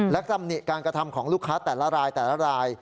และตำหนิการกระทำของลูกค้าแต่ละรายแต่ละราย